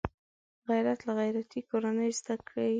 غیرت له غیرتي کورنۍ زده کېږي